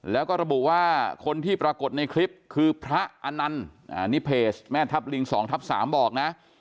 แล้วก็ระบุว่าคนที่ปรากฏในคลิปคือพระอนันต์นี่เพจแม่ทัพลิง๒ทับ๓บอกนะ